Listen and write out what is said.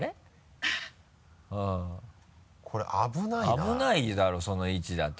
危ないだろその位置だと。